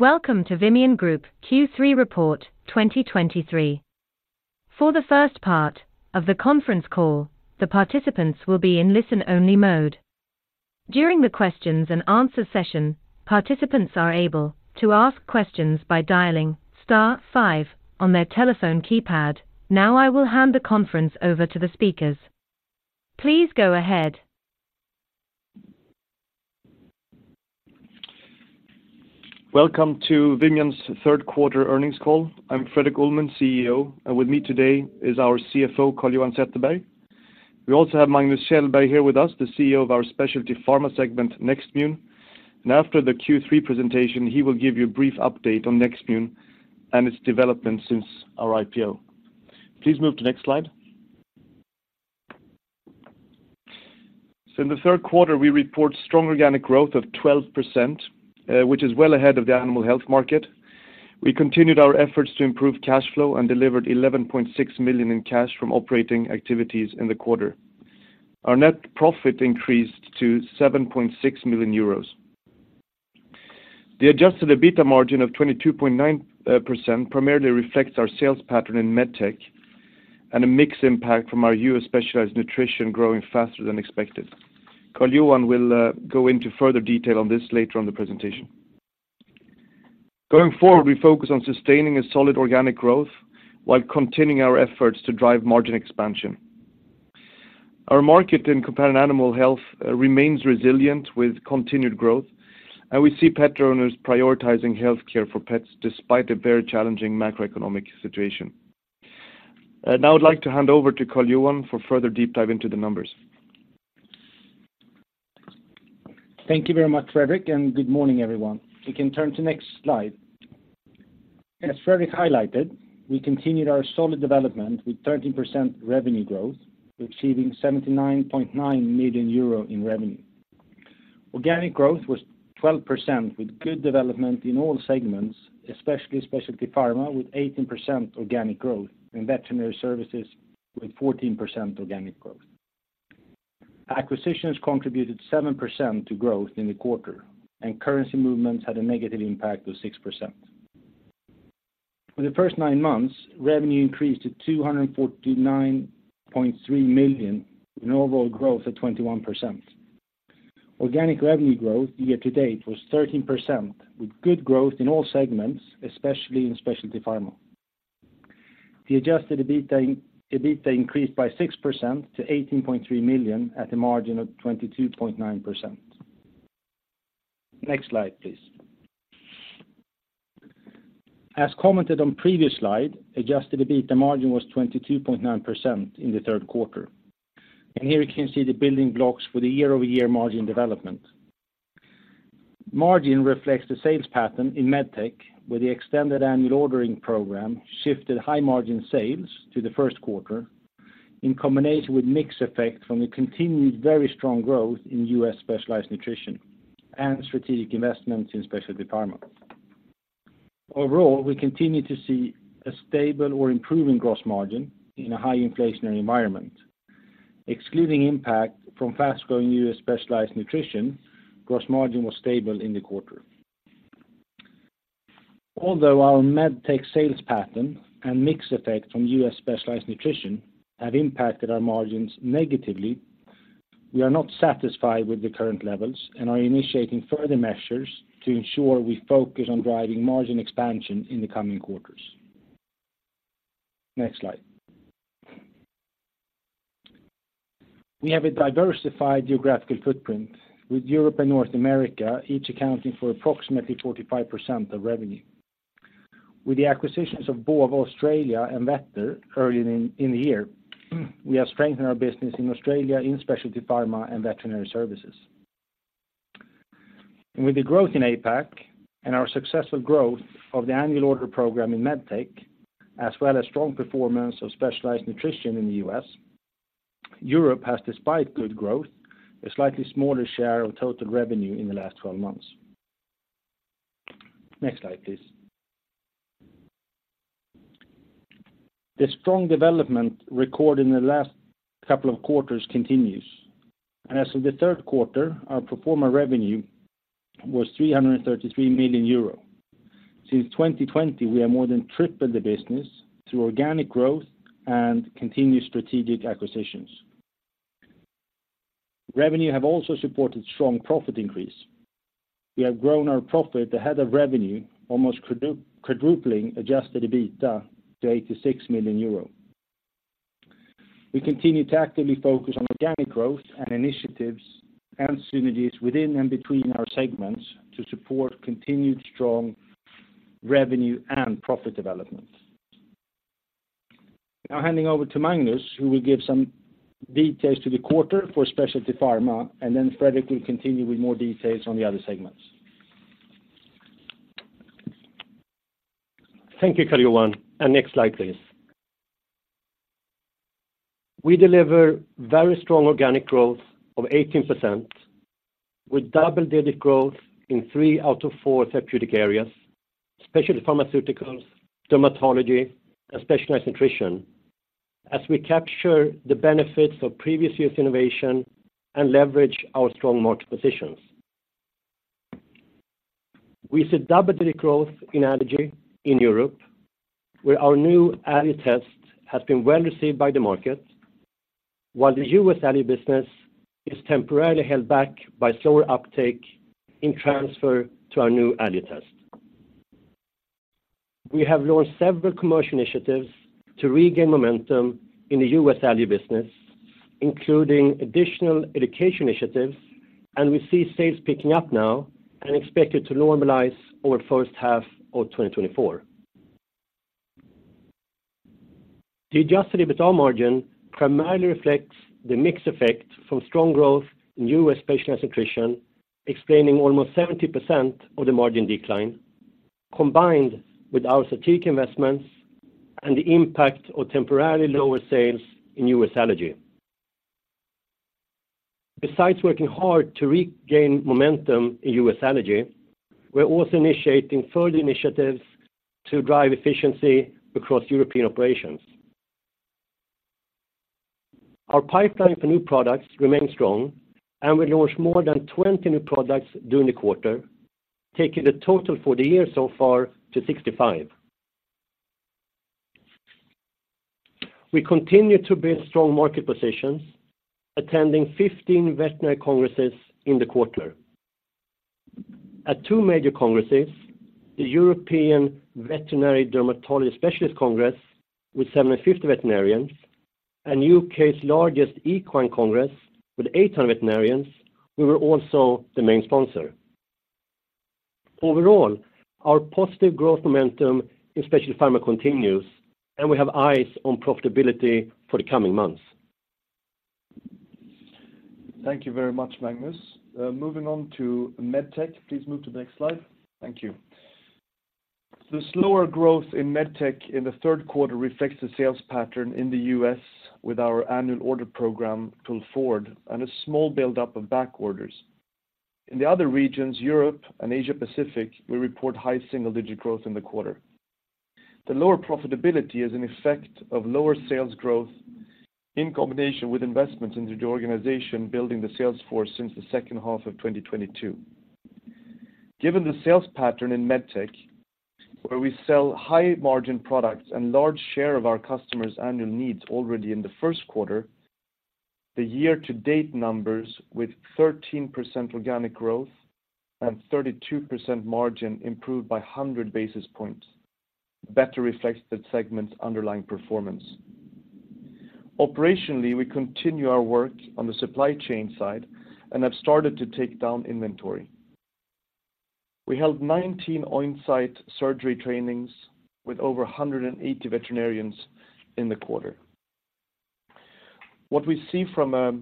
Welcome to Vimian Group Q3 Report 2023. For the first part of the conference call, the participants will be in listen-only mode. During the questions and answer session, participants are able to ask questions by dialing star five on their telephone keypad. Now I will hand the conference over to the speakers. Please go ahead. Welcome to Vimian's third quarter earnings call. I'm Fredrik Ullman, CEO, and with me today is our CFO, Carl-Johan Zetterberg. We also have Magnus Kjellberg here with us, the CEO of our Specialty Pharma segment, Nextmune. And after the Q3 presentation, he will give you a brief update on Nextmune and its development since our IPO. Please move to next slide. In the third quarter, we report strong organic growth of 12%, which is well ahead of the animal health market. We continued our efforts to improve cash flow and delivered 11.6 million in cash from operating activities in the quarter. Our net profit increased to 7.6 million euros. The Adjusted EBITDA margin of 22.9% primarily reflects our sales pattern in MedTech and a mix impact from our U.S. Specialized Nutrition growing faster than expected. Carl-Johan will go into further detail on this later on the presentation. Going forward, we focus on sustaining a solid organic growth while continuing our efforts to drive margin expansion. Our market in companion animal health remains resilient with continued growth, and we see pet owners prioritizing health care for pets despite a very challenging macroeconomic situation. Now I'd like to hand over to Carl-Johan for further deep dive into the numbers. Thank you very much, Fredrik, and good morning, everyone. We can turn to next slide. As Fredrik highlighted, we continued our solid development with 13% revenue growth, achieving 79.9 million euro in revenue. Organic growth was 12%, with good development in all segments, especially Specialty Pharma, with 18% organic growth, and Veterinary Services with 14% organic growth. Acquisitions contributed 7% to growth in the quarter, and currency movements had a negative impact of 6%. For the first nine months, revenue increased to 249.3 million, an overall growth of 21%. Organic revenue growth year to date was 13%, with good growth in all segments, especially in Specialty Pharma. The adjusted EBITDA increased by 6% to 18.3 million at a margin of 22.9%. Next slide, please. As commented on previous slide, Adjusted EBITDA margin was 22.9% in the third quarter. Here you can see the building blocks for the year-over-year margin development. Margin reflects the sales pattern in MedTech, where the extended annual ordering program shifted high margin sales to the first quarter, in combination with mix effect from the continued very strong growth in U.S. Specialized Nutrition and strategic investments in Specialty Pharma. Overall, we continue to see a stable or improving gross margin in a high inflationary environment. Excluding impact from fast-growing U.S. Specialized Nutrition, gross margin was stable in the quarter. Although our MedTech sales pattern and mix effect from U.S. Specialized Nutrition have impacted our margins negatively, we are not satisfied with the current levels and are initiating further measures to ensure we focus on driving margin expansion in the coming quarters. Next slide. We have a diversified geographical footprint, with Europe and North America each accounting for approximately 45% of revenue. With the acquisitions of Bova Australia and Vettr earlier in the year, we have strengthened our business in Australia, in specialty pharma and veterinary services. And with the growth in APAC and our successful growth of the Annual Order Program in MedTech, as well as strong performance of Specialized Nutrition in the U.S., Europe has, despite good growth, a slightly smaller share of total revenue in the last twelve months. Next slide, please. The strong development record in the last couple of quarters continues, and as of the third quarter, our pro forma revenue was 333 million euro. Since 2020, we have more than tripled the business through organic growth and continued strategic acquisitions. Revenue have also supported strong profit increase. We have grown our profit ahead of revenue, almost quadrupling adjusted EBITDA to 86 million euro. We continue to actively focus on organic growth and initiatives and synergies within and between our segments to support continued strong revenue and profit development. Now, handing over to Magnus, who will give some details to the quarter for specialty pharma, and then Fredrik will continue with more details on the other segments. Thank you, Carl-Johan. Next slide, please. We deliver very strong organic growth of 18%, with double-digit growth in three out of four therapeutic areas, Specialty Pharmaceuticals, Dermatology, and Specialized Nutrition... as we capture the benefits of previous years' innovation and leverage our strong market positions. We see double-digit growth in Allergy in Europe, where our new Allergy test has been well received by the market, while the U.S. Allergy business is temporarily held back by slower uptake in transfer to our new Allergy test. We have launched several commercial initiatives to regain momentum in the U.S. Allergy business, including additional education initiatives, and we see sales picking up now and expect it to normalize over the first half of 2024. The Adjusted EBITDA margin primarily reflects the mix effect from strong growth in U.S. specialty nutrition, explaining almost 70% of the margin decline, combined with our strategic investments and the impact of temporarily lower sales in U.S. Allergy. Besides working hard to regain momentum in U.S. Allergy, we're also initiating further initiatives to drive efficiency across European operations. Our pipeline for new products remains strong, and we launched more than 20 new products during the quarter, taking the total for the year so far to 65. We continue to build strong market positions, attending 15 veterinary congresses in the quarter. At two major congresses, the European Veterinary Dermatology Specialist Congress, with 750 veterinarians, and U.K.'s largest equine congress, with 800 veterinarians, we were also the main sponsor. Overall, our positive growth momentum in Specialty Pharma continues, and we have eyes on profitability for the coming months. Thank you very much, Magnus. Moving on to MedTech. Please move to the next slide. Thank you. The slower growth in MedTech in the third quarter reflects the sales pattern in the U.S. with our Annual Order Program pulled forward and a small build-up of back orders. In the other regions, Europe and Asia Pacific, we report high single-digit growth in the quarter. The lower profitability is an effect of lower sales growth in combination with investments into the organization, building the sales force since the second half of 2022. Given the sales pattern in MedTech, where we sell high-margin products and large share of our customers' annual needs already in the first quarter, the year-to-date numbers with 13% organic growth and 32% margin improved by 100 basis points, better reflects the segment's underlying performance. Operationally, we continue our work on the supply chain side and have started to take down inventory. We held 19 on-site surgery trainings with over 180 veterinarians in the quarter. What we see from a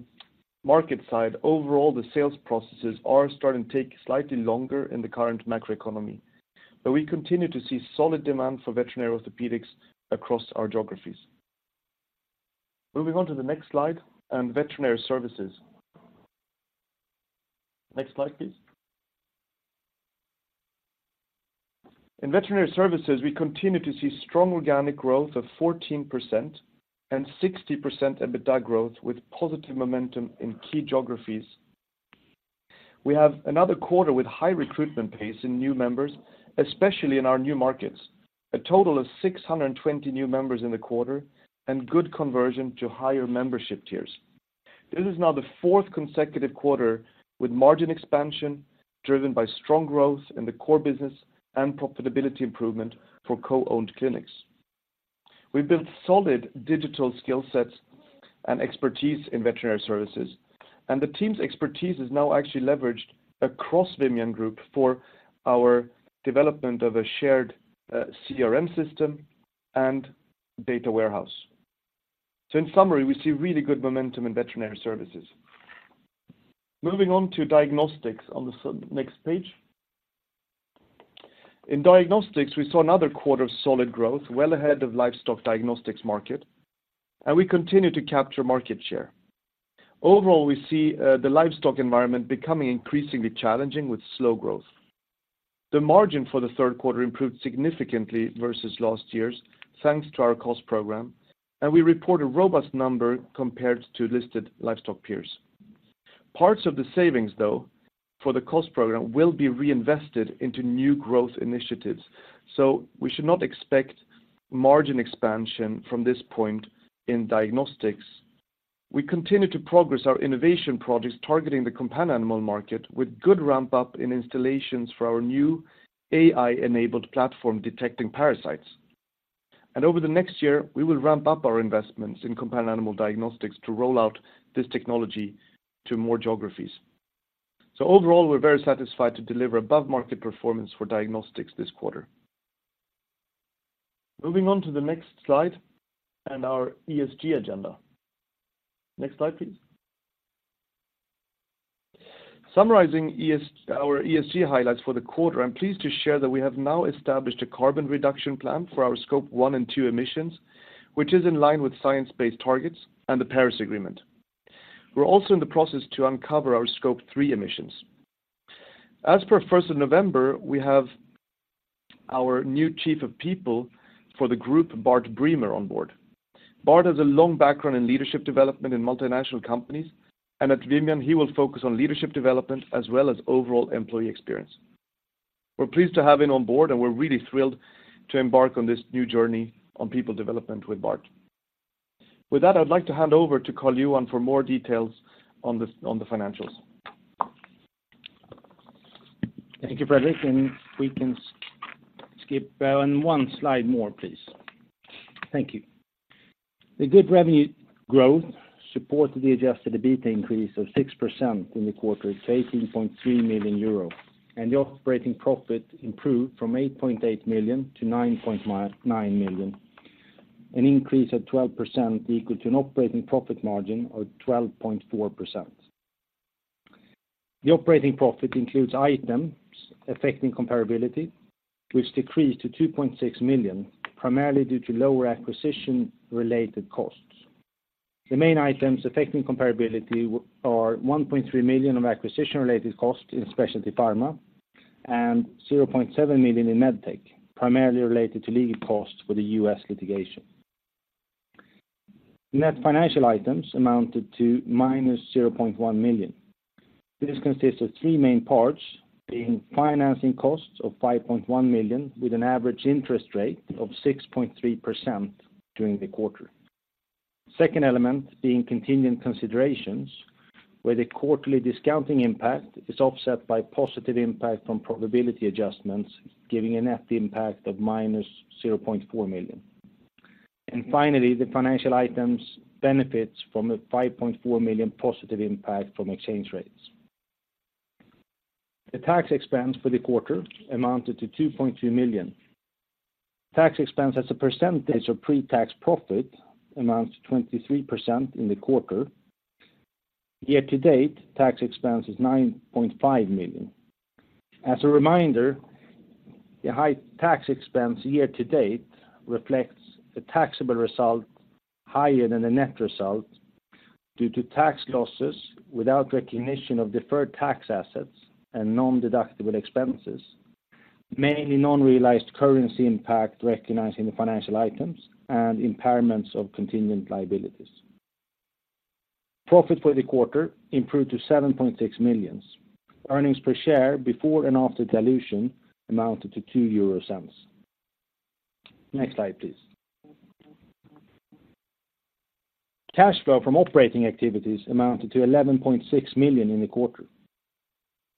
market side, overall, the sales processes are starting to take slightly longer in the current macroeconomy, but we continue to see solid demand for veterinary orthopedics across our geographies. Moving on to the next slide, and Veterinary Services. Next slide, please. In Veterinary Services, we continue to see strong organic growth of 14% and 60% EBITDA growth, with positive momentum in key geographies. We have another quarter with high recruitment pace in new members, especially in our new markets. A total of 620 new members in the quarter and good conversion to higher membership tiers. This is now the fourth consecutive quarter with margin expansion, driven by strong growth in the core business and profitability improvement for co-owned clinics. We built solid digital skill sets and expertise in Veterinary Services, and the team's expertise is now actually leveraged across Vimian Group for our development of a shared CRM system and data warehouse. So in summary, we see really good momentum in Veterinary Services. Moving on to Diagnostics on the next page. In Diagnostics, we saw another quarter of solid growth, well ahead of livestock diagnostics market, and we continue to capture market share. Overall, we see the livestock environment becoming increasingly challenging with slow growth. The margin for the third quarter improved significantly versus last year's, thanks to our cost program, and we report a robust number compared to listed livestock peers. Parts of the savings, though, for the cost program, will be reinvested into new growth initiatives, so we should not expect margin expansion from this point in Diagnostics. We continue to progress our innovation projects targeting the companion animal market with good ramp-up in installations for our new AI-enabled platform, detecting parasites. And over the next year, we will ramp up our investments in companion animal diagnostics to roll out this technology to more geographies. So overall, we're very satisfied to deliver above-market performance for Diagnostics this quarter. Moving on to the next slide and our ESG agenda. Next slide, please. Summarizing our ESG highlights for the quarter, I'm pleased to share that we have now established a carbon reduction plan for our Scope 1 and 2 emissions, which is in line with Science-Based Targets and the Paris Agreement. We're also in the process to uncover our Scope 3 emissions.... As per first of November, we have our new Chief of People for the group, Bart Bremer, on board. Bart has a long background in leadership development in multinational companies, and at Vimian, he will focus on leadership development as well as overall employee experience. We're pleased to have him on board, and we're really thrilled to embark on this new journey on people development with Bart. With that, I'd like to hand over to Carl-Johan for more details on the financials. Thank you, Fredrik, and we can skip on one slide more, please. Thank you. The good revenue growth supported the adjusted EBITDA increase of 6% in the quarter to 18.3 million euro, and the operating profit improved from 8.8 million to 9 million, an increase of 12%, equal to an operating profit margin of 12.4%. The operating profit includes items affecting comparability, which decreased to 2.6 million, primarily due to lower acquisition-related costs. The main items affecting comparability are 1.3 million of acquisition-related costs in Specialty Pharma and 0.7 million in MedTech, primarily related to legal costs for the U.S. litigation. Net financial items amounted to -0.1 million. This consists of three main parts, being financing costs of 5.1 million, with an average interest rate of 6.3% during the quarter. Second element being contingent considerations, where the quarterly discounting impact is offset by positive impact from probability adjustments, giving a net impact of -0.4 million. And finally, the financial items benefits from a 5.4 million positive impact from exchange rates. The tax expense for the quarter amounted to 2.2 million. Tax expense as a percentage of pre-tax profit amounts to 23% in the quarter. Year-to-date, tax expense is 9.5 million. As a reminder, the high tax expense year-to-date reflects a taxable result higher than the net result due to tax losses without recognition of deferred tax assets and non-deductible expenses, mainly non-realized currency impact recognizing the financial items and impairments of contingent liabilities. Profit for the quarter improved to 7.6 million. Earnings per share, before and after dilution, amounted to 0.02. Next slide, please. Cash flow from operating activities amounted to 11.6 million in the quarter.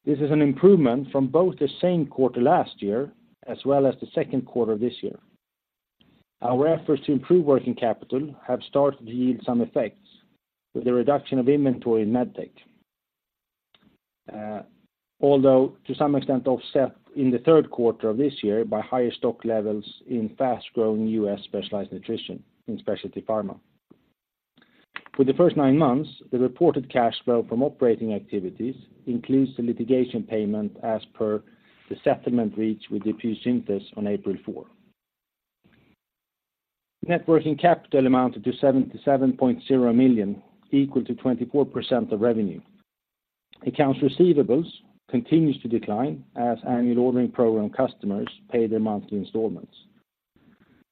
This is an improvement from both the same quarter last year as well as the second quarter this year. Our efforts to improve working capital have started to yield some effects with the reduction of inventory in MedTech, although to some extent offset in the third quarter of this year by higher stock levels in fast-growing U.S. Specialized Nutrition in Specialty Pharma. For the first nine months, the reported cash flow from operating activities includes the litigation payment as per the settlement reached with DePuy Synthes on April 4. Net working capital amounted to 77.0 million, equal to 24% of revenue. Accounts receivable continues to decline as annual ordering program customers pay their monthly installments,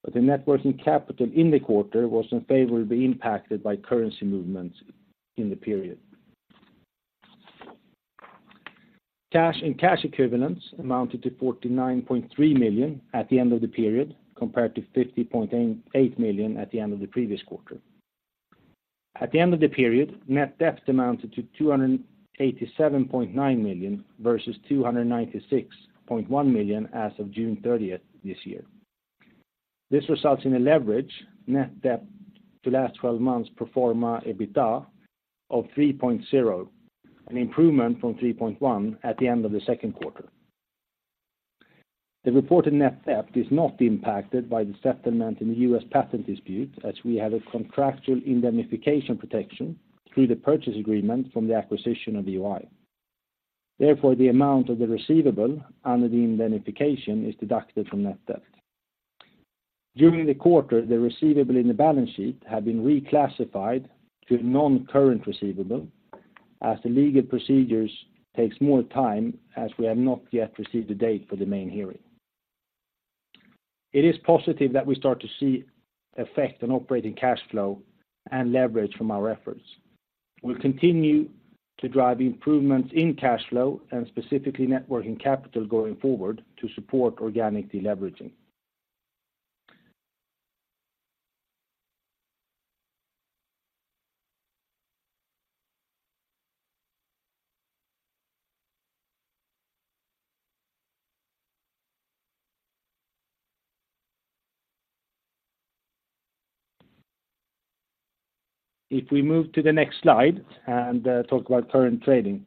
but the net working capital in the quarter was unfavorably impacted by currency movements in the period. Cash and cash equivalents amounted to 49.3 million at the end of the period, compared to 50.8 million at the end of the previous quarter. At the end of the period, net debt amounted to 287.9 million, versus 296.1 million as of June 30th this year. This results in a leverage net debt to last 12 months pro forma EBITDA of 3.0, an improvement from 3.1 at the end of the second quarter. The reported net debt is not impacted by the settlement in the U.S. patent dispute, as we have a contractual indemnification protection through the purchase agreement from the acquisition of VOI. Therefore, the amount of the receivable under the indemnification is deducted from net debt. During the quarter, the receivable in the balance sheet had been reclassified to non-current receivable, as the legal procedures takes more time, as we have not yet received a date for the main hearing. It is positive that we start to see effect on operating cash flow and leverage from our efforts. We'll continue to drive improvements in cash flow and specifically net working capital going forward to support organic deleveraging. If we move to the next slide and, talk about current trading.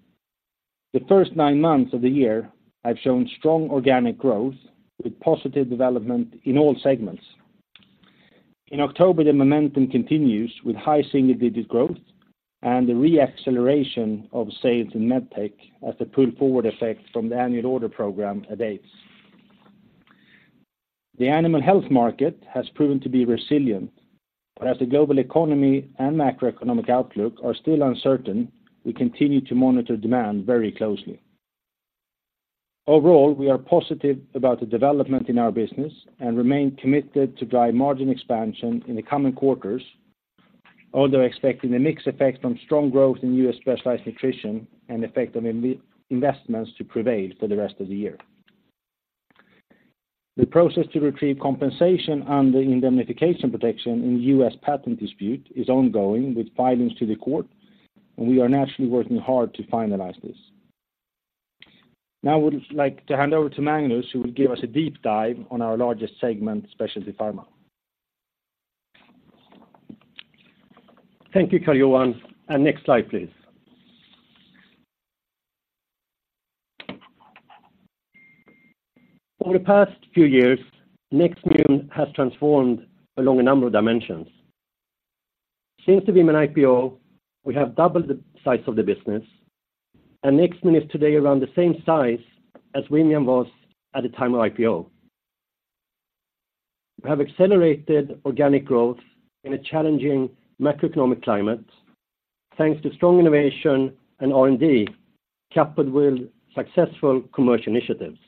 The first nine months of the year have shown strong organic growth with positive development in all segments. In October, the momentum continues with high single-digit growth and the re-acceleration of sales in MedTech as the pull-forward effect from the annual order program at AOPs.... The animal health market has proven to be resilient, but as the global economy and macroeconomic outlook are still uncertain, we continue to monitor demand very closely. Overall, we are positive about the development in our business and remain committed to drive margin expansion in the coming quarters, although expecting a mixed effect from strong growth in U.S. Specialized Nutrition and effect on investments to prevail for the rest of the year. The process to retrieve compensation and the indemnification protection in U.S. patent dispute is ongoing with filings to the court, and we are naturally working hard to finalize this. Now, I would like to hand over to Magnus, who will give us a deep dive on our largest segment, Specialty Pharma. Thank you, Carl-Johan, and next slide, please. Over the past few years, Nextmune has transformed along a number of dimensions. Since the Vimian IPO, we have doubled the size of the business, and Nextmune is today around the same size as Vimian was at the time of IPO. We have accelerated organic growth in a challenging macroeconomic climate, thanks to strong innovation and R&D, coupled with successful commercial initiatives.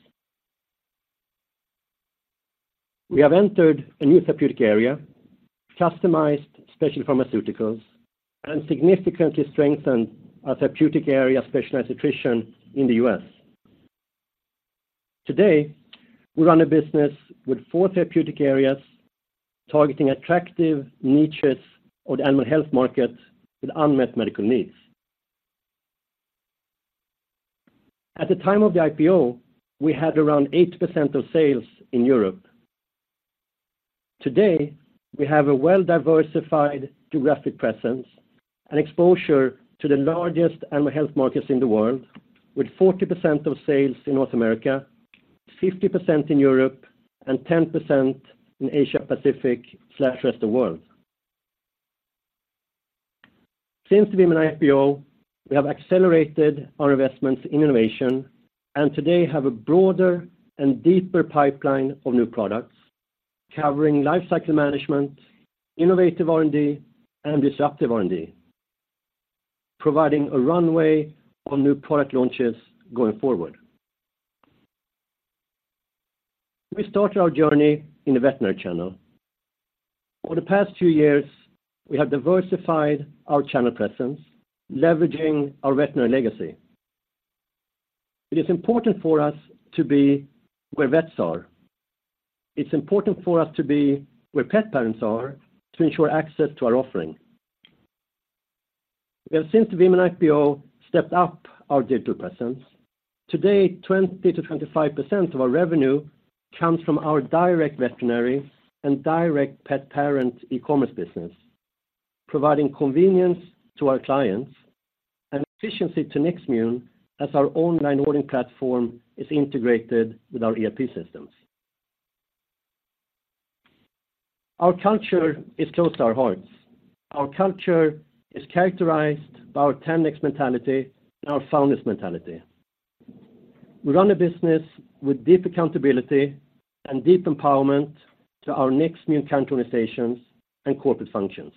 We have entered a new therapeutic area, customized specialty pharmaceuticals, and significantly strengthened our therapeutic area, Specialized Nutrition in the U.S. Today, we run a business with four therapeutic areas, targeting attractive niches on the animal health market with unmet medical needs. At the time of the IPO, we had around 80% of sales in Europe. Today, we have a well-diversified geographic presence and exposure to the largest animal health markets in the world, with 40% of sales in North America, 50% in Europe, and 10% in Asia-Pacific/rest of world. Since the Vimian IPO, we have accelerated our investments in innovation, and today have a broader and deeper pipeline of new products, covering life cycle management, innovative R&D, and disruptive R&D, providing a runway on new product launches going forward. We started our journey in the veterinary channel. Over the past 2 years, we have diversified our channel presence, leveraging our veterinary legacy. It is important for us to be where vets are. It's important for us to be where pet parents are to ensure access to our offering. We have, since the Vimian IPO, stepped up our digital presence. Today, 20%-25% of our revenue comes from our direct veterinary and direct pet parent e-commerce business, providing convenience to our clients and efficiency to Nextmune as our online ordering platform is integrated with our ERP systems. Our culture is close to our hearts. Our culture is characterized by our ten Nextmune mentality and our founders mentality. We run a business with deep accountability and deep empowerment to our Nextmune country organizations and corporate functions.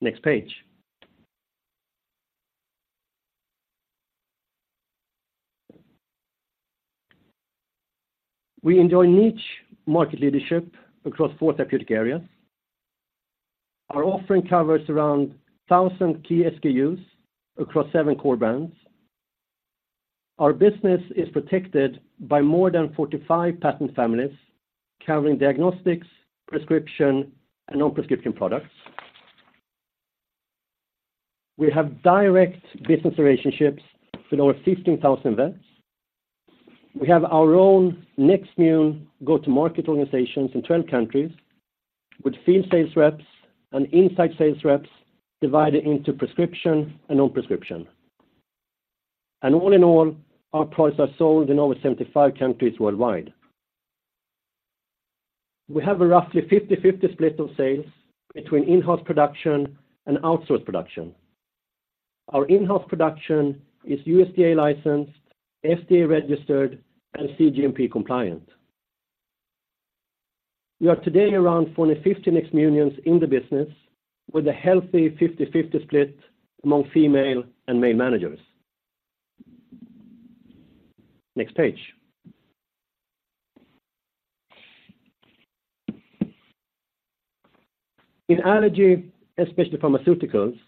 Next page. We enjoy niche market leadership across 4 therapeutic areas. Our offering covers around 1,000 key SKUs across 7 core brands. Our business is protected by more than 45 patent families, covering diagnostics, prescription, and non-prescription products. We have direct business relationships with over 15,000 vets. We have our own Nextmune go-to-market organizations in 12 countries, with field sales reps and inside sales reps divided into prescription and non-prescription. And all in all, our products are sold in over 75 countries worldwide. We have a roughly 50/50 split of sales between in-house production and outsourced production. Our in-house production is USDA licensed, FDA registered, and CGMP compliant. We are today around 40-50 Nextmunians in the business, with a healthy 50-50 split among female and male managers. Next page. In Allergy, Specialty Pharmaceuticals,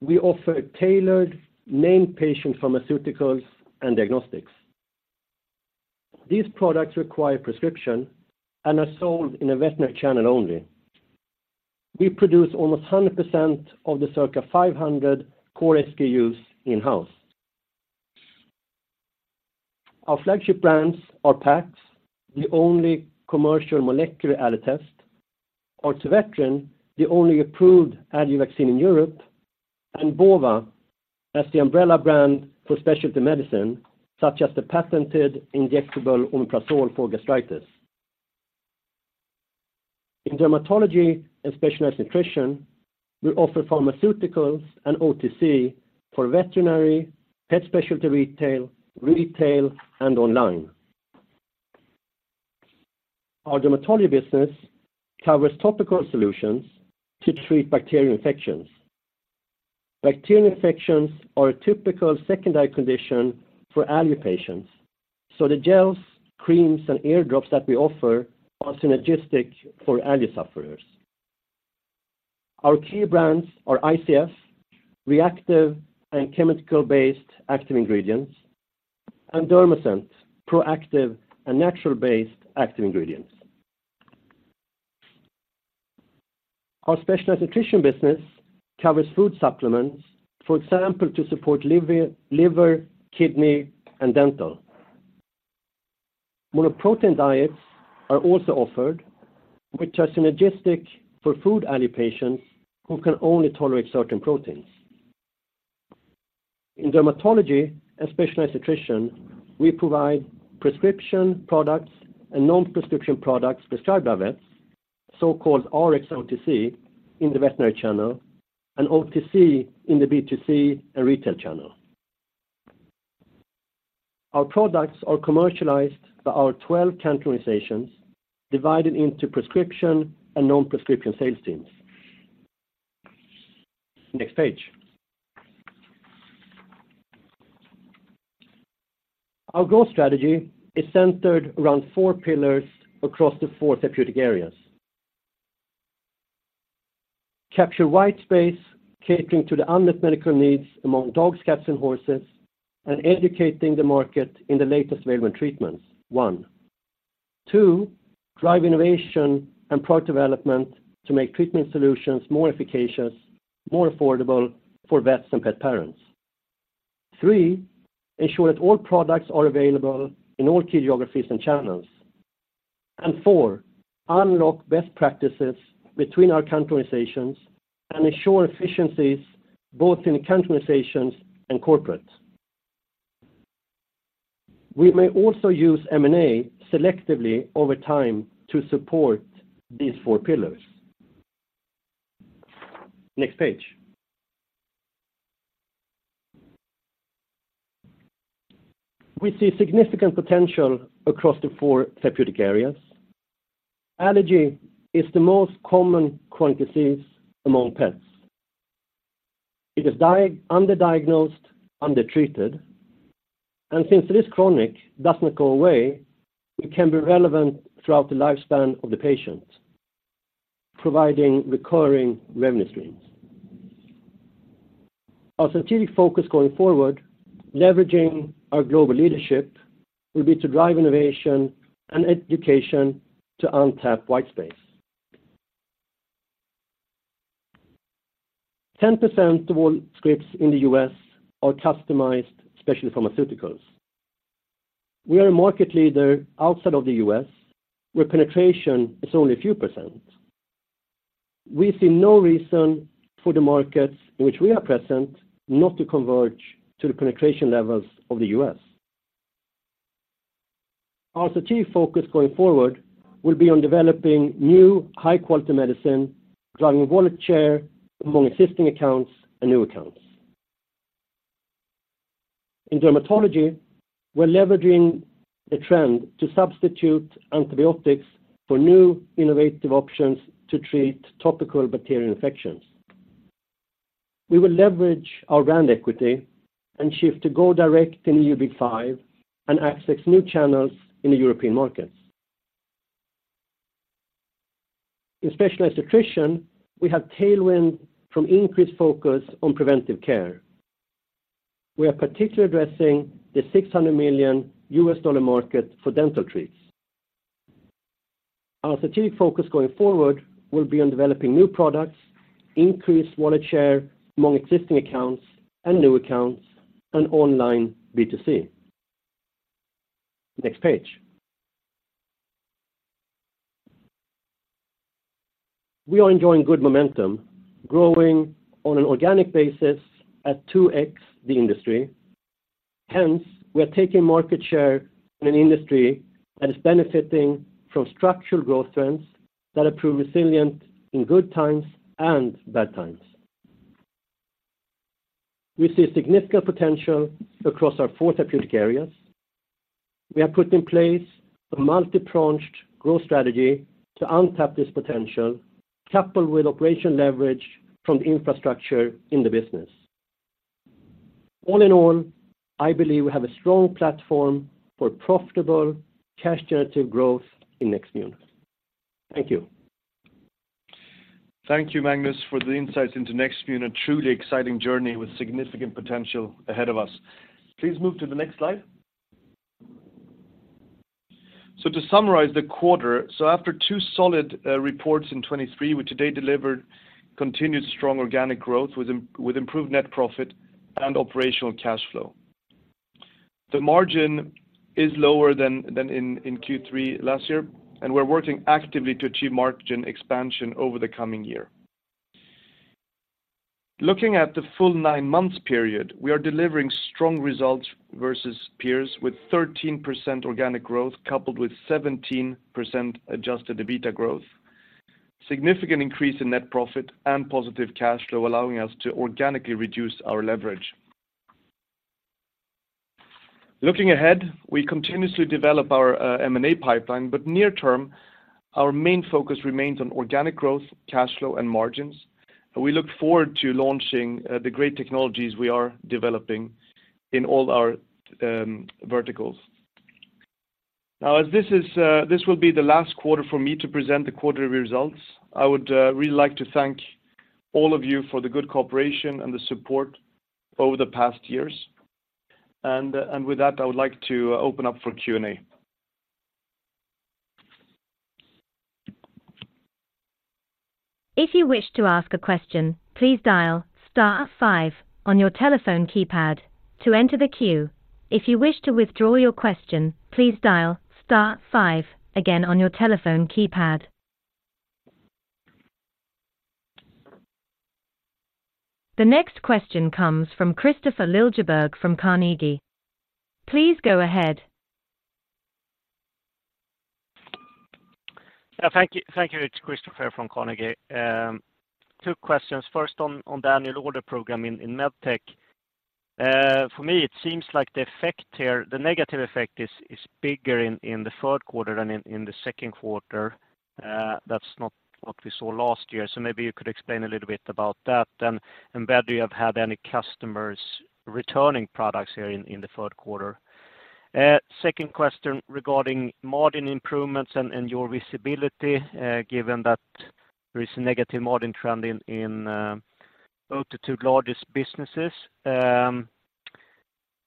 we offer tailored, named patient pharmaceuticals and diagnostics. These products require prescription and are sold in a veterinary channel only. We produce almost 100% of the circa 500 core SKUs in-house. Our flagship brands are PAX, the only commercial molecular Allergy test, Artuvetrin, the only approved Allergy vaccine in Europe, and Bova, as the umbrella brand for specialty medicine, such as the patented injectable omeprazole for gastritis.... In Dermatology and Specialized Nutrition, we offer pharmaceuticals and OTC for veterinary, pet specialty retail, retail, and online. Our Dermatology business covers topical solutions to treat bacterial infections. Bacterial infections are a typical secondary condition for Allergy patients, so the gels, creams, and ear drops that we offer are synergistic for allergy sufferers. Our key brands are ICF, reactive, and chemical-based active ingredients, and Dermoscent, proactive, and natural-based active ingredients. Our Specialized Nutrition business covers food supplements, for example, to support liver, liver, kidney, and dental. Monoprotein diets are also offered, which are synergistic for food allergy patients who can only tolerate certain proteins. In Dermatology and Specialized Nutrition, we provide prescription products and non-prescription products prescribed by vets, so-called RX-OTC in the veterinary channel and OTC in the B2C and retail channel. Our products are commercialized by our 12 country organizations, divided into prescription and non-prescription sales teams. Next page. Our growth strategy is centered around four pillars across the four therapeutic areas. Capture white space, catering to the unmet medical needs among dogs, cats, and horses, and educating the market in the latest available treatments, one. Two, drive innovation and product development to make treatment solutions more efficacious, more affordable for vets and pet parents. Three, ensure that all products are available in all key geographies and channels. And four, unlock best practices between our country organizations and ensure efficiencies both in the country organizations and corporate. We may also use M&A selectively over time to support these four pillars. Next page. We see significant potential across the four therapeutic areas. Allergy is the most common chronic disease among pets. It is diagnosed, underdiagnosed, undertreated, and since it is chronic, does not go away, it can be relevant throughout the lifespan of the patient, providing recurring revenue streams. Our strategic focus going forward, leveraging our global leadership, will be to drive innovation and education to untapped white space. 10% of all scripts in the U.S. are customized, specialty pharmaceuticals. We are a market leader outside of the U.S., where penetration is only a few percent. We see no reason for the markets in which we are present, not to converge to the penetration levels of the U.S. Our strategic focus going forward will be on developing new, high-quality medicine, driving wallet share among existing accounts and new accounts. In Dermatology, we're leveraging the trend to substitute antibiotics for new innovative options to treat topical bacterial infections. We will leverage our brand equity and shift to go direct in EU5 and access new channels in the European markets. In Specialized Nutrition, we have tailwind from increased focus on preventive care. We are particularly addressing the $600 million market for dental treats. Our strategic focus going forward will be on developing new products, increase wallet share among existing accounts and new accounts, and online B2C. Next page. We are enjoying good momentum, growing on an organic basis at 2x the industry. Hence, we are taking market share in an industry that is benefiting from structural growth trends that are proven resilient in good times and bad times. We see significant potential across our four therapeutic areas. We have put in place a multi-pronged growth strategy to untap this potential, coupled with operational leverage from the infrastructure in the business. All in all, I believe we have a strong platform for profitable, cash-generative growth in Nextmune. Thank you. Thank you, Magnus, for the insights into Nextmune, a truly exciting journey with significant potential ahead of us. Please move to the next slide. So to summarize the quarter, after two solid reports in 2023, we today delivered continued strong organic growth with improved net profit and operational cash flow. The margin is lower than in Q3 last year, and we're working actively to achieve margin expansion over the coming year. ... Looking at the full nine months period, we are delivering strong results versus peers with 13% organic growth, coupled with 17% Adjusted EBITDA growth, significant increase in net profit and positive cash flow, allowing us to organically reduce our leverage. Looking ahead, we continuously develop our M&A pipeline, but near term, our main focus remains on organic growth, cash flow, and margins, and we look forward to launching the great technologies we are developing in all our verticals. Now, as this is this will be the last quarter for me to present the quarterly results, I would really like to thank all of you for the good cooperation and the support over the past years. And with that, I would like to open up for Q&A. If you wish to ask a question, please dial star five on your telephone keypad to enter the queue. If you wish to withdraw your question, please dial star five again on your telephone keypad. The next question comes from Kristofer Liljeberg from Carnegie. Please go ahead. Yeah, thank you. Thank you, it's Christopher from Carnegie. Two questions. First, on the Annual Order Program in MedTech. For me, it seems like the effect here, the negative effect is bigger in the third quarter than in the second quarter. That's not what we saw last year, so maybe you could explain a little bit about that, and whether you have had any customers returning products here in the third quarter. Second question regarding margin improvements and your visibility, given that there is a negative margin trend in both the two largest businesses,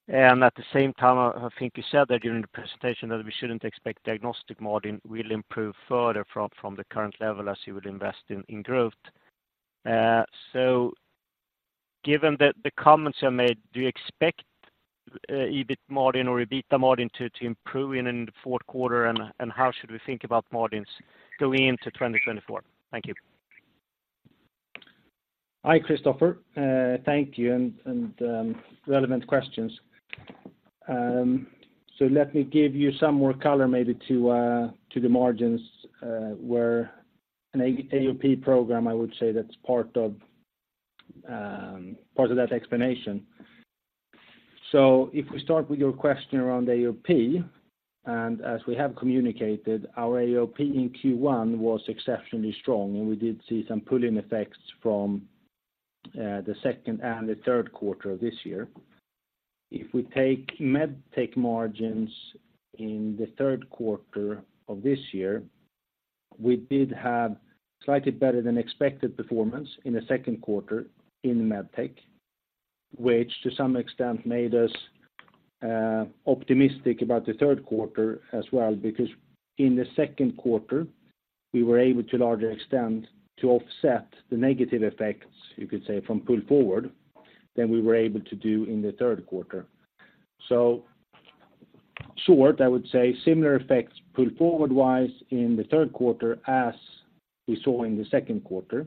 and at the same time, I think you said that during the presentation, that we shouldn't expect diagnostic margin will improve further from the current level as you would invest in growth. So given the comments you made, do you expect EBIT margin or EBITDA margin to improve in the fourth quarter? And how should we think about margins going into 2024? Thank you. Hi, Kristofer. Thank you, and relevant questions. So let me give you some more color maybe to the margins, where an AOP program, I would say, that's part of, part of that explanation. So if we start with your question around AOP, and as we have communicated, our AOP in Q1 was exceptionally strong, and we did see some pull-in effects from the second and the third quarter of this year. If we take MedTech margins in the third quarter of this year, we did have slightly better than expected performance in the second quarter in MedTech, which, to some extent, made us optimistic about the third quarter as well. Because in the second quarter, we were able to a larger extent, to offset the negative effects, you could say, from pull forward than we were able to do in the third quarter. So short, I would say similar effects pull forward wise in the third quarter as we saw in the second quarter.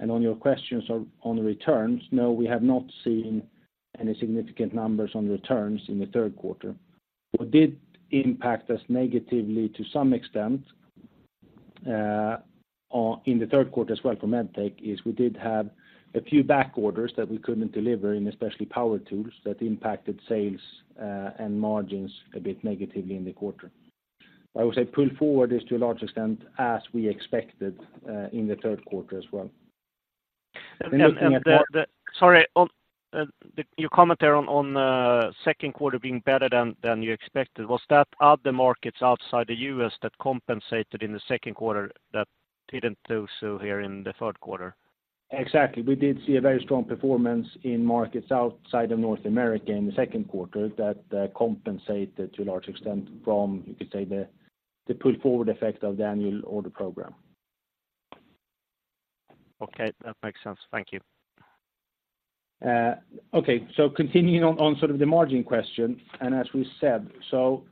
And on your questions on, on the returns, no, we have not seen any significant numbers on returns in the third quarter. What did impact us negatively to some extent, on, in the third quarter as well for MedTech, is we did have a few back orders that we couldn't deliver, in especially power tools, that impacted sales, and margins a bit negatively in the quarter. I would say pull forward is to a large extent, as we expected, in the third quarter as well. And the- Looking at- Sorry. On your comment there on second quarter being better than you expected, was that other markets outside the U.S. that compensated in the second quarter, that didn't do so here in the third quarter? Exactly. We did see a very strong performance in markets outside of North America in the second quarter that compensated to a large extent from, you could say, the pull forward effect of the Annual Order Program. Okay, that makes sense. Thank you. Okay. So continuing on, on sort of the margin question, and as we said, so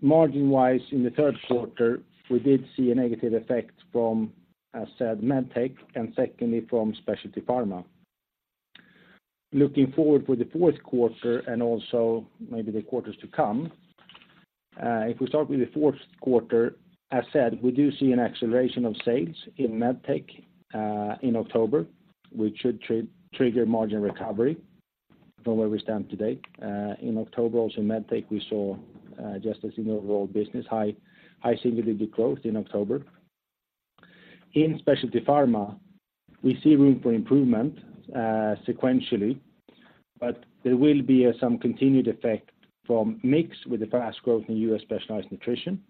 margin-wise, in the third quarter, we did see a negative effect from, as said, MedTech, and secondly, from Specialty Pharma. Looking forward for the fourth quarter and also maybe the quarters to come, if we start with the fourth quarter, as said, we do see an acceleration of sales in MedTech, in October, which should trigger margin recovery from where we stand today. In October, also in MedTech, we saw, just as in the overall business, high single-digit growth in October. In Specialty Pharma, we see room for improvement, sequentially, but there will be some continued effect from mix with the fast growth in U.S. Specialized Nutrition.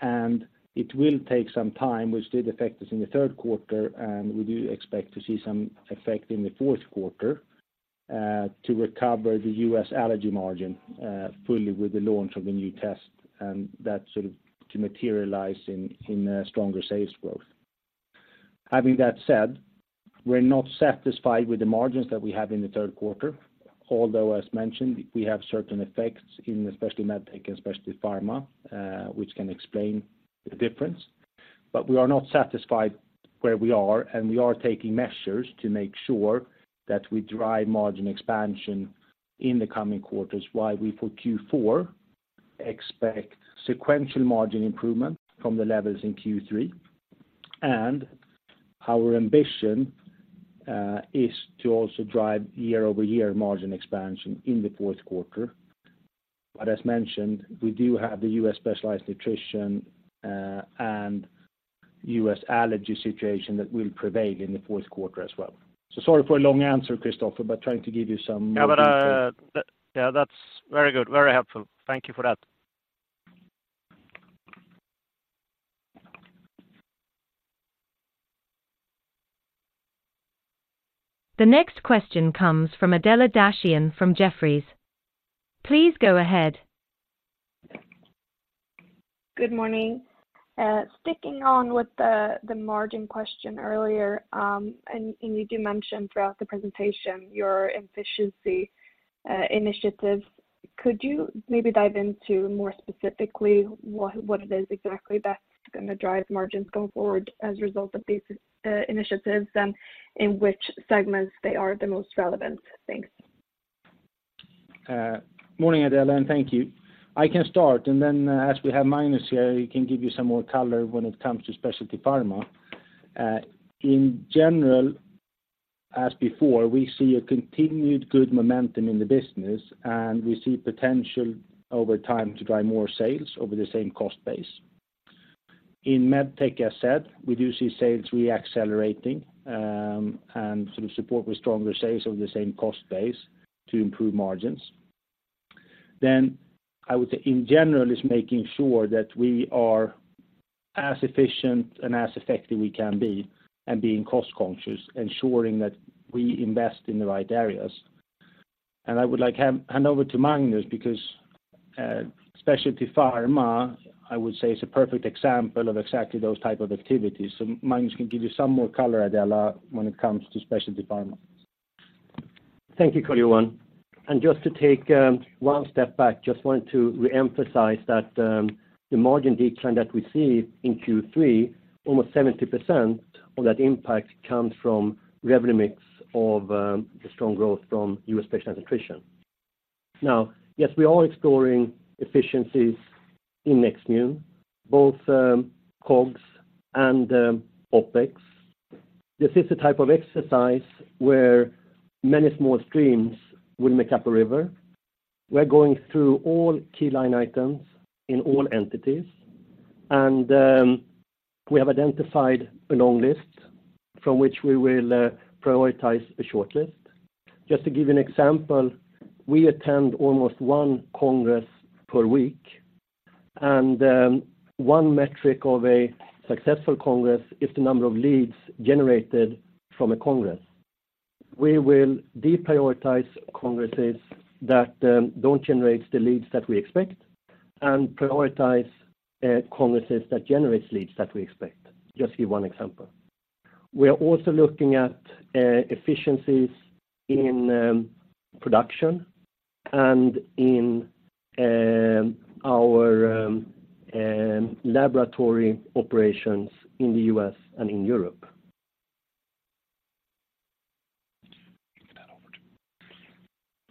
And it will take some time, which did affect us in the third quarter, and we do expect to see some effect in the fourth quarter, to recover the U.S. Allergy margin, fully with the launch of the new test, and that sort of to materialize in stronger sales growth. Having that said, we're not satisfied with the margins that we have in the third quarter, although, as mentioned, we have certain effects in especially MedTech and Specialty Pharma, which can explain the difference... but we are not satisfied where we are, and we are taking measures to make sure that we drive margin expansion in the coming quarters, while we, for Q4, expect sequential margin improvement from the levels in Q3. And our ambition is to also drive year-over-year margin expansion in the fourth quarter. But as mentioned, we do have the U.S. Specialized Nutrition and U.S. Allergy situation that will prevail in the fourth quarter as well. So sorry for a long answer, Kristofer, but trying to give you some- Yeah, but, yeah, that's very good. Very helpful. Thank you for that. The next question comes from Adela Dashian from Jefferies. Please go ahead. Good morning. Sticking on with the margin question earlier, and you do mention throughout the presentation your efficiency initiatives. Could you maybe dive into more specifically what it is exactly that's gonna drive margins going forward as a result of these initiatives and in which segments they are the most relevant? Thanks. Morning, Adela, and thank you. I can start, and then, as we have Magnus here, he can give you some more color when it comes to Specialty Pharma. In general, as before, we see a continued good momentum in the business, and we see potential over time to drive more sales over the same cost base. In MedTech, as said, we do see sales re-accelerating, and sort of support with stronger sales of the same cost base to improve margins. Then, I would say, in general, is making sure that we are as efficient and as effective we can be and being cost-conscious, ensuring that we invest in the right areas. And I would like to hand over to Magnus because, Specialty Pharma, I would say, is a perfect example of exactly those type of activities. Magnus can give you some more color, Adela, when it comes to Specialty Pharma. Thank you, Carl-Johan. Just to take one step back, just wanted to reemphasize that the margin decline that we see in Q3, almost 70% of that impact comes from revenue mix of the strong growth from U.S. Specialized Nutrition. Now, yes, we are exploring efficiencies in Nextmune, both COGS and OpEx. This is a type of exercise where many small streams will make up a river. We're going through all key line items in all entities, and we have identified a long list from which we will prioritize a short list. Just to give you an example, we attend almost one congress per week, and one metric of a successful congress is the number of leads generated from a congress. We will deprioritize congresses that don't generate the leads that we expect and prioritize congresses that generates leads that we expect. Just give one example. We are also looking at efficiencies in production and in our laboratory operations in the U.S. and in Europe.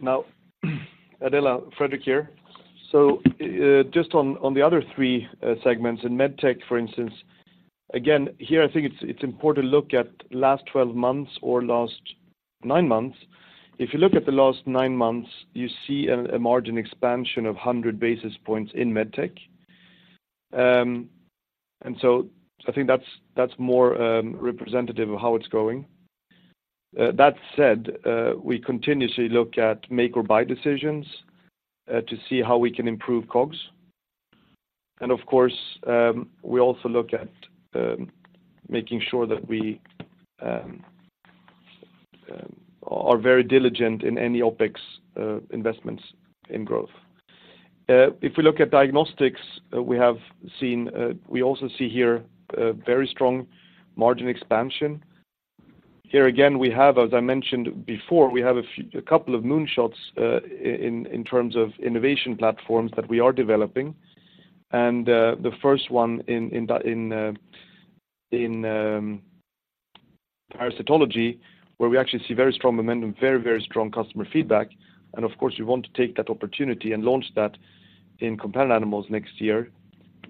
Give that over to... Now, Adela, Fredrik here. So, just on, on the other three segments, in MedTech, for instance, again, here, I think it's, it's important to look at last 12 months or last nine months. If you look at the last nine months, you see a, a margin expansion of 100 basis points in MedTech. And so I think that's, that's more representative of how it's going. That said, we continuously look at make or buy decisions to see how we can improve COGS. And of course, we also look at making sure that we are very diligent in any OpEx investments in growth. If we look at Diagnostics, we have seen, we also see here a very strong margin expansion. Here, again, we have, as I mentioned before, we have a couple of moonshots in terms of innovation platforms that we are developing. And the first one in parasitology, where we actually see very strong momentum, very, very strong customer feedback. And of course, we want to take that opportunity and launch that in companion animals next year.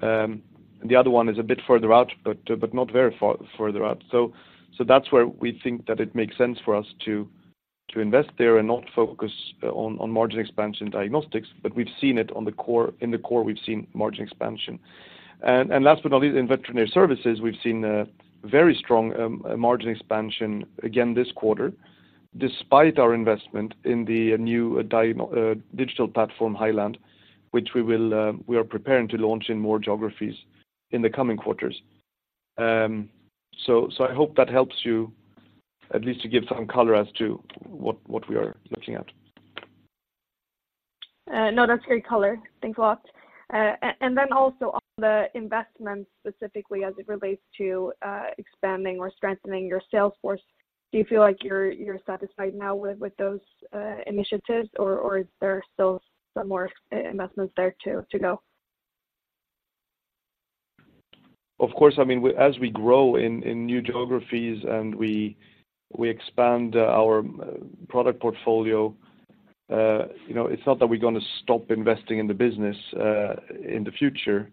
And the other one is a bit further out, but not very far further out. So that's where we think that it makes sense for us to invest there and not focus on margin expansion Diagnostics, but we've seen it in the core, we've seen margin expansion. Last but not least, in Veterinary Services, we've seen a very strong margin expansion again this quarter, despite our investment in the new digital platform, Heiland, which we are preparing to launch in more geographies in the coming quarters. So, I hope that helps you at least to give some color as to what we are looking at. No, that's great color. Thanks a lot. And then also on the investments, specifically as it relates to expanding or strengthening your sales force? Do you feel like you're satisfied now with those initiatives, or is there still some more investments there to go? Of course, I mean, we as we grow in new geographies, and we expand our product portfolio, you know, it's not that we're gonna stop investing in the business in the future.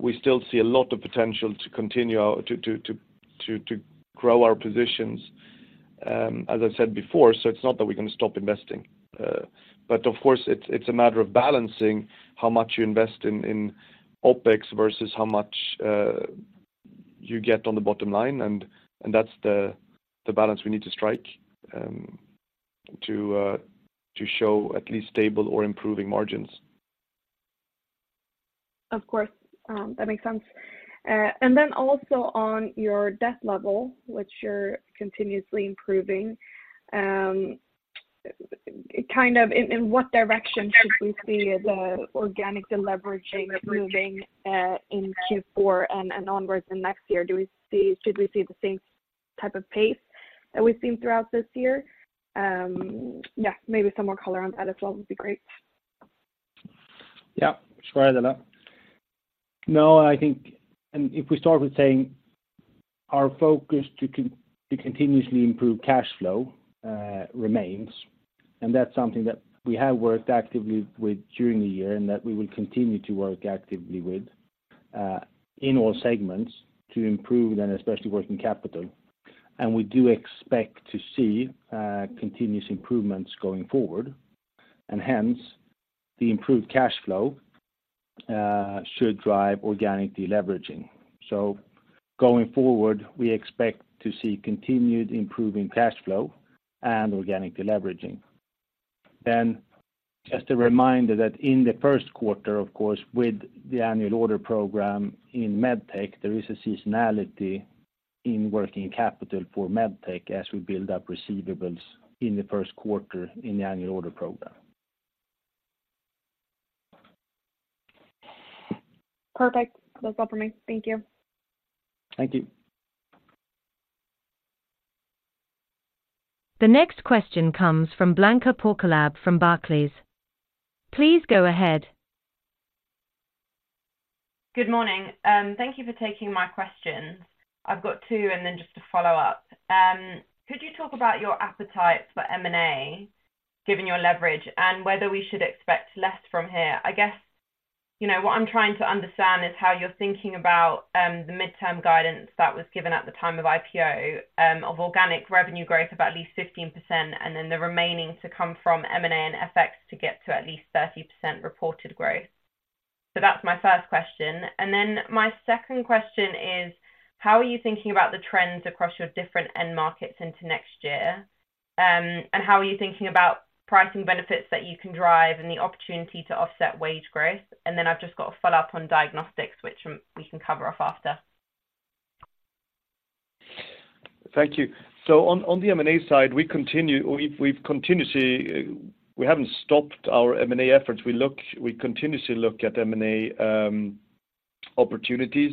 We still see a lot of potential to continue to grow our positions, as I said before, so it's not that we're gonna stop investing. But of course, it's a matter of balancing how much you invest in OpEx versus how much you get on the bottom line, and that's the balance we need to strike, to show at least stable or improving margins. Of course. That makes sense. And then also on your debt level, which you're continuously improving, kind of in what direction should we see the organic deleveraging moving, in Q4 and onwards in next year? Do we see... Should we see the same type of pace that we've seen throughout this year? Yeah, maybe some more color on that as well would be great. Yeah, sure, Adela. No, I think, and if we start with saying our focus to continuously improve cash flow, remains, and that's something that we have worked actively with during the year and that we will continue to work actively with, in all segments to improve and especially working capital. And we do expect to see continuous improvements going forward, and hence, the improved cash flow should drive organic deleveraging. So going forward, we expect to see continued improving cash flow and organic deleveraging. Then, just a reminder that in the first quarter, of course, with the Annual Order Program in MedTech, there is a seasonality in working capital for MedTech as we build up receivables in the first quarter in the Annual Order Program. Perfect. That's all for me. Thank you. Thank you. The next question comes from Blanca Porkolab from Barclays. Please go ahead. Good morning. Thank you for taking my questions. I've got two, and then just a follow-up. Could you talk about your appetite for M&A, given your leverage, and whether we should expect less from here? I guess, you know, what I'm trying to understand is how you're thinking about the midterm guidance that was given at the time of IPO of organic revenue growth of at least 15%, and then the remaining to come from M&A and FX to get to at least 30% reported growth. So that's my first question. And then my second question is: how are you thinking about the trends across your different end markets into next year? And how are you thinking about pricing benefits that you can drive and the opportunity to offset wage growth? Then I've just got a follow-up on Diagnostics, which we can cover off after. Thank you. So on the M&A side, we continue—we've continuously. We haven't stopped our M&A efforts. We look, we continuously look at M&A opportunities,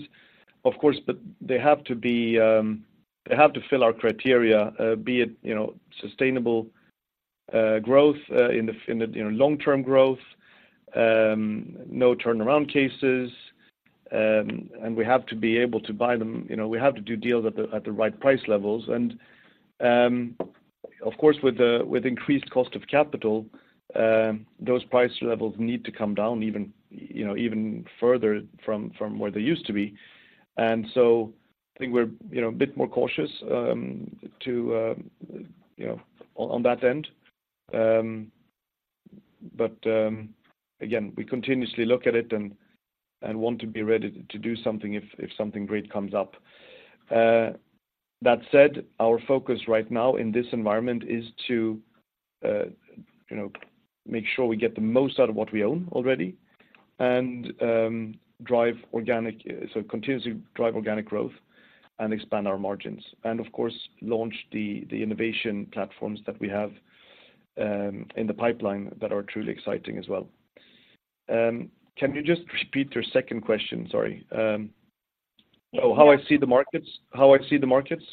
of course, but they have to be, they have to fill our criteria, be it, you know, sustainable growth in the, you know, long-term growth, no turnaround cases, and we have to be able to buy them, you know, we have to do deals at the right price levels. And, of course, with the increased cost of capital, those price levels need to come down even, you know, even further from where they used to be. And so I think we're, you know, a bit more cautious to, you know, on that end. But, again, we continuously look at it and want to be ready to do something if something great comes up. That said, our focus right now in this environment is to, you know, make sure we get the most out of what we own already and drive organic growth, so continuously drive organic growth and expand our margins. And of course, launch the innovation platforms that we have in the pipeline that are truly exciting as well. Can you just repeat your second question? Sorry. So how I see the markets? How I see the markets?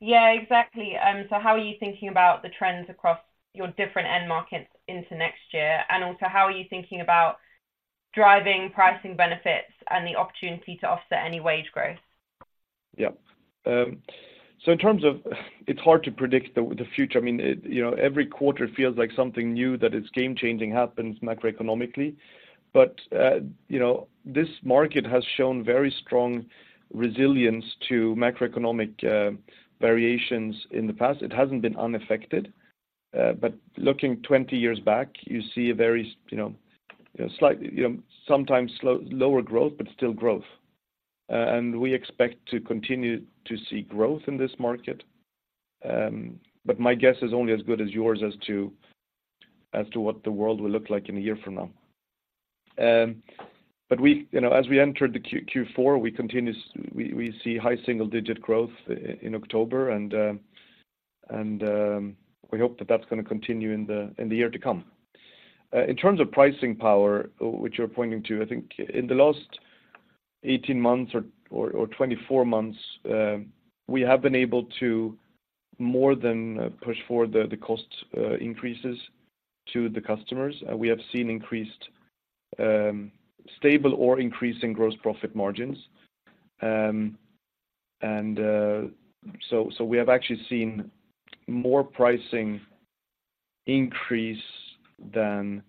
Yeah, exactly. So how are you thinking about the trends across your different end markets into next year? And also, how are you thinking about driving pricing benefits and the opportunity to offset any wage growth? Yeah. So in terms of... It's hard to predict the future. I mean, you know, every quarter feels like something new, that it's game-changing, happens macroeconomically. But, you know, this market has shown very strong resilience to macroeconomic variations in the past. It hasn't been unaffected, but looking 20 years back, you see a very, you know, a slight, you know, sometimes slower growth, but still growth. And we expect to continue to see growth in this market. But my guess is only as good as yours as to what the world will look like in a year from now. But we, you know, as we entered the Q4, we see high single-digit growth in October, and we hope that that's gonna continue in the year to come. In terms of pricing power, which you're pointing to, I think in the last 18 months or 24 months, we have been able to more than push forward the cost increases to the customers. We have seen increased stable or increasing gross profit margins. And so we have actually seen more pricing increase than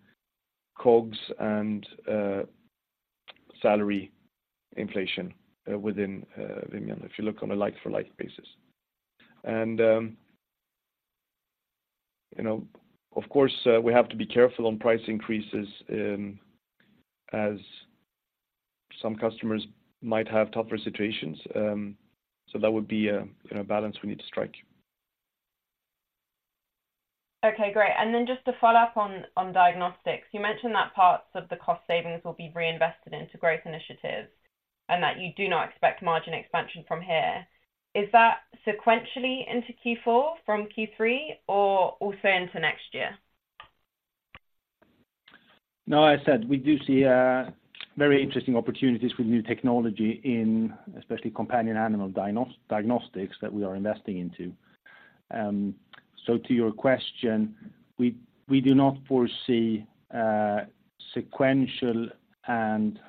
COGS and salary inflation within Vimian, if you look on a like-for-like basis. You know, of course, we have to be careful on price increases as some customers might have tougher situations. That would be a, you know, balance we need to strike. Okay, great. Then just to follow up on diagnostics, you mentioned that parts of the cost savings will be reinvested into growth initiatives, and that you do not expect margin expansion from here. Is that sequentially into Q4 from Q3 or also into next year? No, I said we do see very interesting opportunities with new technology in especially companion animal Diagnostics that we are investing into. So to your question, we do not foresee sequential and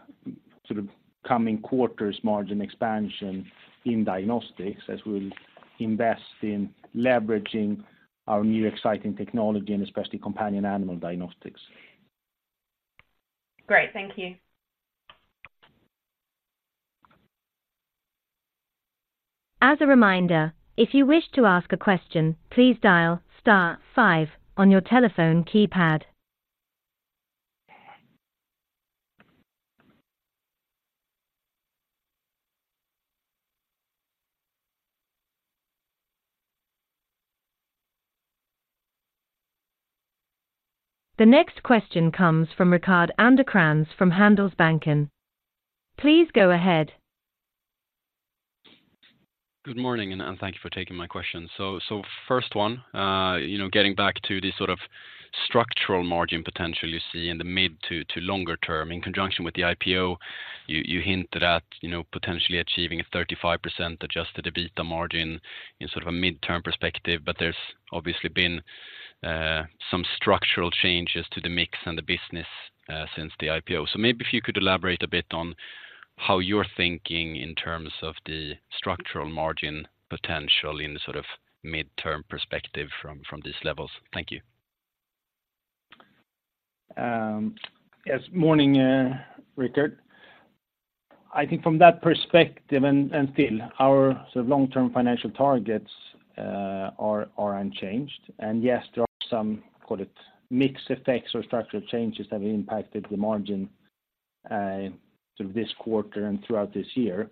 sort of coming quarters margin expansion in Diagnostics as we invest in leveraging our new exciting technology and especially companion animal Diagnostics. Great. Thank you. As a reminder, if you wish to ask a question, please dial star five on your telephone keypad. The next question comes from Rickard Anderkrans from Handelsbanken. Please go ahead. Good morning, and thank you for taking my question. So first one, you know, getting back to the sort of structural margin potential you see in the mid to longer term. In conjunction with the IPO, you hinted at, you know, potentially achieving a 35% Adjusted EBITDA margin in sort of a midterm perspective, but there's obviously been some structural changes to the mix and the business since the IPO. So maybe if you could elaborate a bit on how you're thinking in terms of the structural margin potential in the sort of midterm perspective from these levels. Thank you. Yes. Morning, Rickard. I think from that perspective and still, our sort of long-term financial targets are unchanged. And yes, there are some, call it, mix effects or structural changes that have impacted the margin through this quarter and throughout this year.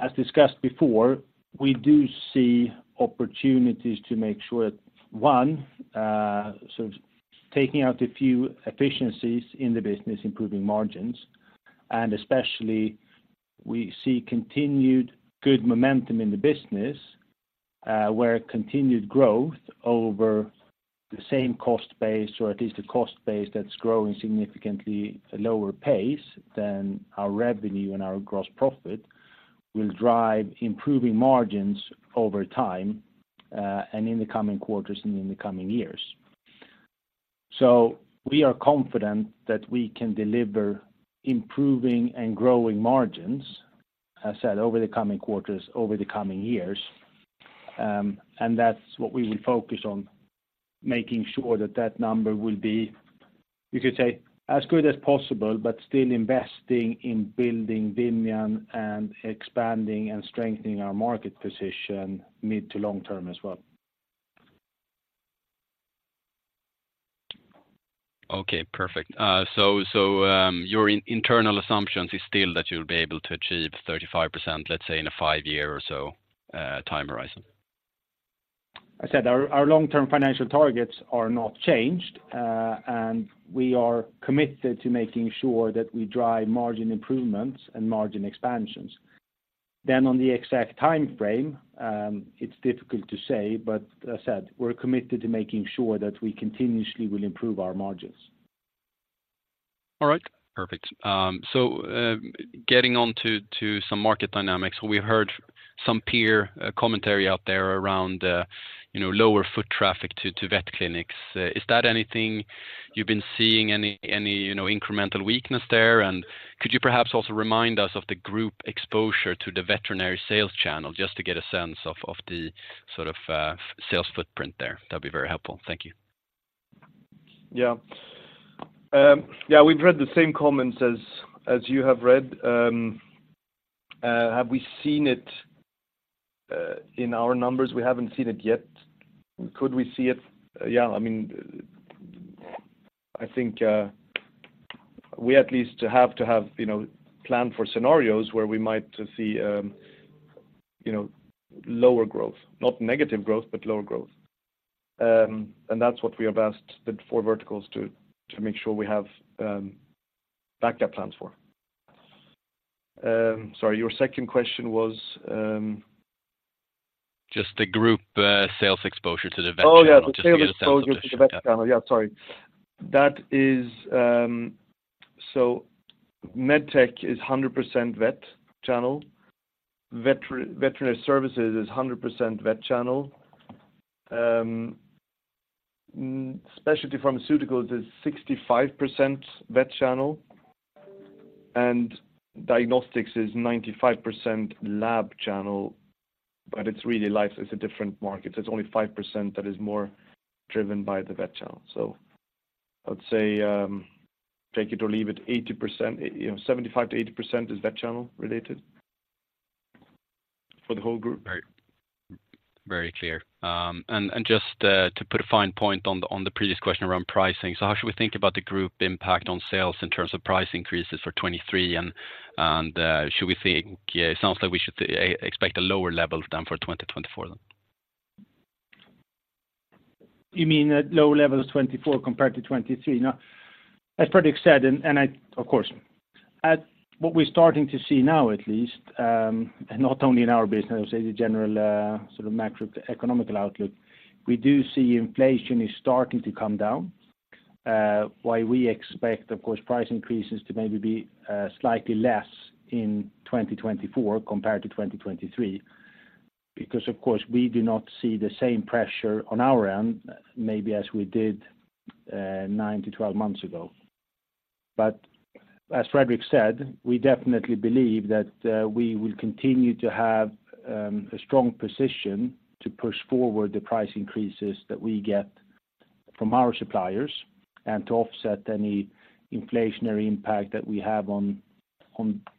As discussed before, we do see opportunities to make sure, one, sort of taking out a few efficiencies in the business, improving margins, and especially we see continued good momentum in the business, where continued growth over the same cost base, or at least a cost base that's growing significantly at a lower pace than our revenue and our gross profit, will drive improving margins over time, and in the coming quarters and in the coming years. So we are confident that we can deliver improving and growing margins, as I said, over the coming quarters, over the coming years. And that's what we will focus on, making sure that that number will be, you could say, as good as possible, but still investing in building Vimian and expanding and strengthening our market position mid to long term as well. Okay, perfect. So, your internal assumptions is still that you'll be able to achieve 35%, let's say, in a five-year or so, time horizon? I said our, our long-term financial targets are not changed, and we are committed to making sure that we drive margin improvements and margin expansions. Then on the exact time frame, it's difficult to say, but as I said, we're committed to making sure that we continuously will improve our margins. All right. Perfect. So, getting on to some market dynamics, we heard some peer commentary out there around you know, lower foot traffic to vet clinics. Is that anything you've been seeing, you know, incremental weakness there? And could you perhaps also remind us of the group exposure to the veterinary sales channel, just to get a sense of the sort of sales footprint there? That'd be very helpful. Thank you. Yeah. Yeah, we've read the same comments as you have read. Have we seen it in our numbers? We haven't seen it yet. Could we see it? Yeah, I mean, I think we at least have to have, you know, planned for scenarios where we might see, you know, lower growth. Not negative growth, but lower growth. And that's what we have asked the four verticals to make sure we have backup plans for.... Sorry, your second question was? Just the group sales exposure to the vet channel. Oh, yeah. The sales exposure to the vet channel. Yeah, sorry. That is... So MedTech is 100% vet channel. Veterinary Services is 100% vet channel. Specialty Pharma is 65% vet channel, and Diagnostics is 95% lab channel, but it's really life, it's a different market. It's only 5% that is more driven by the vet channel. So I would say, take it or leave it, 80%, you know, 75%-80% is vet channel related for the whole group. Very, very clear. And just to put a fine point on the previous question around pricing, so how should we think about the group impact on sales in terms of price increases for 2023? And should we think, yeah, it sounds like we should expect a lower level than for 2024 then. You mean at lower levels 2024 compared to 2023? Now, as Fredrik said, and I, of course, at what we're starting to see now, at least, and not only in our business, I would say the general, sort of macroeconomic outlook, we do see inflation is starting to come down. While we expect, of course, price increases to maybe be, slightly less in 2024 compared to 2023, because, of course, we do not see the same pressure on our end, maybe as we did, 9-12 months ago. But as Fredrik said, we definitely believe that, we will continue to have, a strong position to push forward the price increases that we get from our suppliers and to offset any inflationary impact that we have on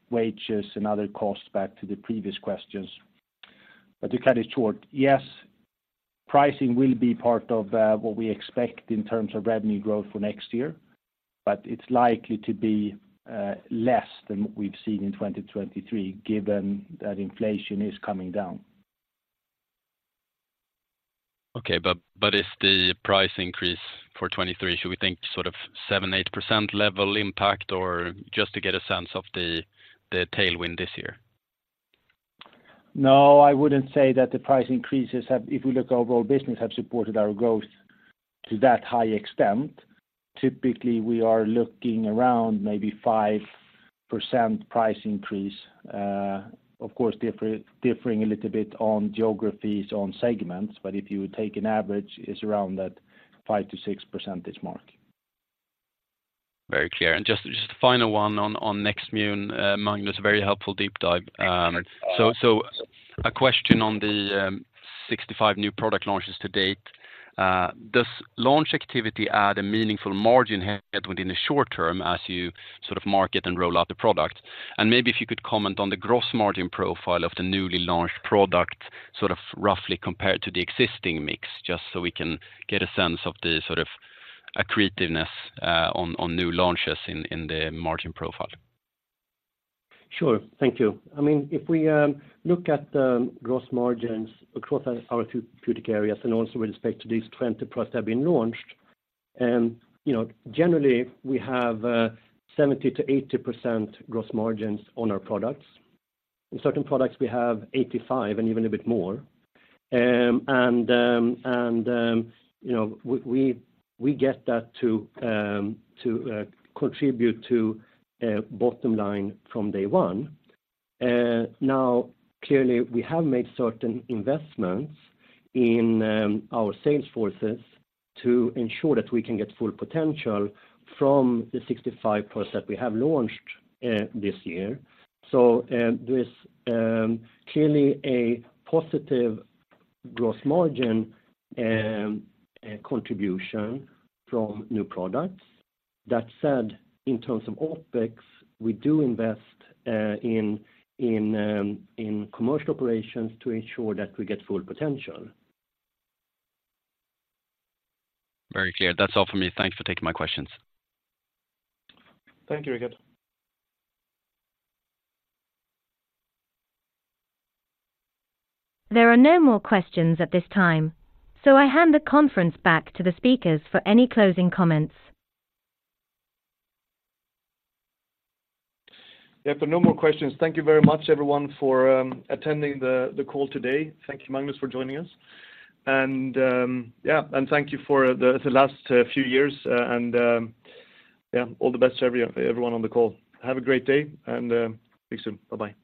wages and other costs back to the previous questions. To cut it short, yes, pricing will be part of what we expect in terms of revenue growth for next year, but it's likely to be less than what we've seen in 2023, given that inflation is coming down. Okay, but is the price increase for 2023, should we think sort of 7%-8% level impact, or just to get a sense of the tailwind this year? No, I wouldn't say that the price increases have... If we look overall, business have supported our growth to that high extent. Typically, we are looking around maybe 5% price increase, of course, differing a little bit on geographies, on segments, but if you take an average, it's around that 5%-6% mark. Very clear. Just the final one on Nextmune, Magnus, very helpful deep dive. So, a question on the 65 new product launches to date. Does launch activity add a meaningful margin headroom within the short term as you sort of market and roll out the product? And maybe if you could comment on the gross margin profile of the newly launched product, sort of roughly compared to the existing mix, just so we can get a sense of the sort of accretiveness on new launches in the margin profile. Sure. Thank you. I mean, if we look at the gross margins across our therapeutic areas and also with respect to these 20+ that have been launched, you know, generally, we have 70%-80% gross margins on our products. In certain products, we have 85% and even a bit more. And, you know, we get that to contribute to bottom line from day one. Now, clearly, we have made certain investments in our sales forces to ensure that we can get full potential from the 65+ that we have launched this year. So, there is clearly a positive gross margin contribution from new products. That said, in terms of OpEx, we do invest in commercial operations to ensure that we get full potential. Very clear. That's all for me. Thanks for taking my questions. Thank you, Rickard. There are no more questions at this time, so I hand the conference back to the speakers for any closing comments. Yeah, no more questions. Thank you very much, everyone, for attending the call today. Thank you, Magnus, for joining us. And, yeah, and thank you for the last few years, and yeah, all the best to everyone on the call. Have a great day, and thanks soon. Bye-bye.